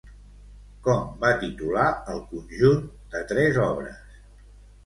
Com va titular el conjunt de tres obres?